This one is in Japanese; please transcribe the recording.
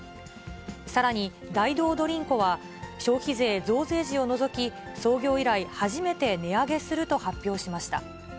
さらに、ダイドードリンコは、消費税増税時を除き、創業以来初めて値上げすると発表しました。